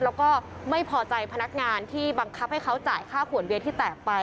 แล้วก็ไม่พอใจพนักงานที่บังคับให้เขาจ่ายค่าขวดเบียนที่แตกไป